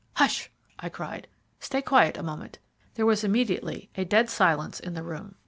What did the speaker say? "Hush!" I cried, "stay quiet a moment." There was immediately a dead silence in the room.